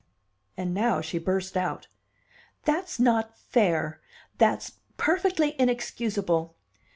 And now she burst out. "That's not fair, that's perfectly inexcusable!